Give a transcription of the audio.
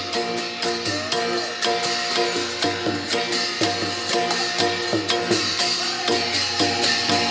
สำหรับทั้ง๒คนนะครับ